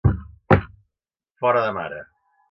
Fora de mare.